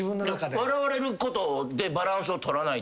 笑われることでバランスを取らないと。